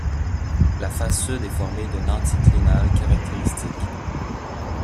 La face sud est formée d'un anticlinal caractéristique.